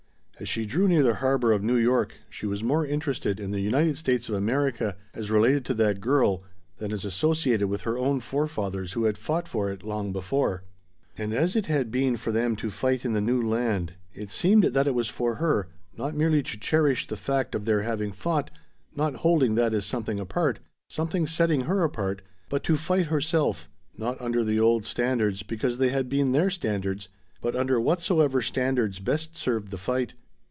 As she drew near the harbor of New York she was more interested in the United States of America as related to that girl than as associated with her own forefathers who had fought for it long before. And as it had been for them to fight in the new land, it seemed that it was for her, not merely to cherish the fact of their having fought, not holding that as something apart something setting her apart, but to fight herself; not under the old standards because they had been their standards, but under whatsoever standards best served the fight.